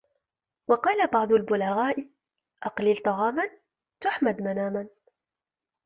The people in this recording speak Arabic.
وَقَالَ بَعْضُ الْبُلَغَاءِ أَقْلِلْ طَعَامًا تُحْمَدْ مَنَامًا